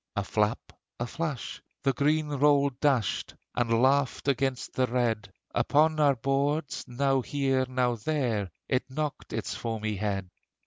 A flap, a flash, the green roll dashed, And laughed against the red; Upon our boards, now here, now there, It knocked its foamy head.